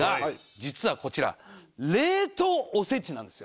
実はこちら冷凍おせちなんですよ。